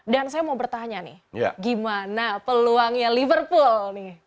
dan saya mau bertanya nih gimana peluangnya liverpool nih